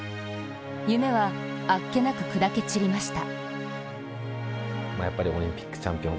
夢はあっけなく砕け散りました。